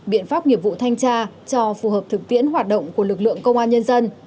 biện pháp nghiệp vụ thanh tra cho phù hợp thực tiễn hoạt động của lực lượng công an nhân dân